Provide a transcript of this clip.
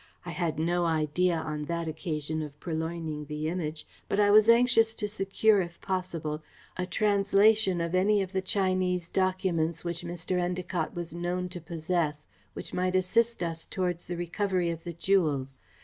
I had no idea on that occasion of purloining the Image, but I was anxious to secure, if possible, a translation of any of the Chinese documents which Mr. Endacott was known to possess which might assist us towards the recovery of the jewels.